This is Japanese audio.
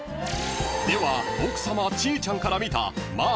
［では奥さまちーちゃんから見た］